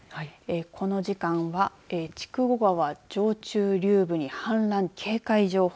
この時間は筑後川上中流部に氾濫警戒情報。